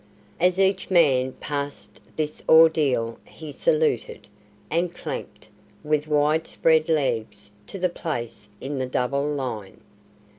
As each man passed this ordeal he saluted, and clanked, with wide spread legs, to the place in the double line.